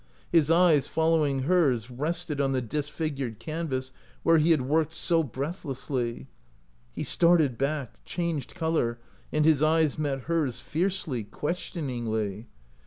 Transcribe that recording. His eyes, following hers, rested on the disfigured canvas where he had worked so breathlessly. He started back, changed color, and his eyes met hers fiercely, questioningly.